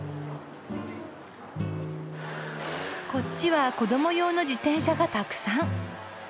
こっちは子ども用の自転車がたくさん。